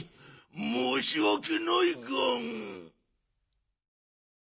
もうしわけないガン。